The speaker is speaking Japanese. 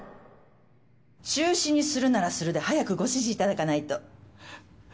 中止にするならするで早くご指示いただかないと。